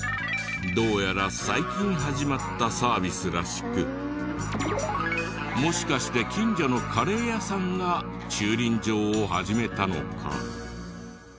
どうやら最近始まったサービスらしくもしかして近所のカレー屋さんが駐輪場を始めたのか？